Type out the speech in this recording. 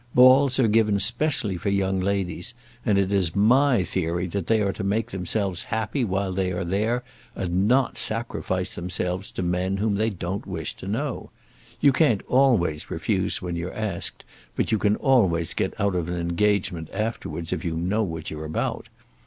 Balls are given specially for young ladies; and it is my theory that they are to make themselves happy while they are there, and not sacrifice themselves to men whom they don't wish to know. You can't always refuse when you're asked, but you can always get out of an engagement afterwards if you know what you're about.